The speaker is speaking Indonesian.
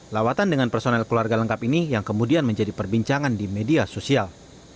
lawatan dengan personel keluarga lengkap ini yang kemudian menjadi perbincangan di media sosial